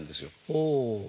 ほう。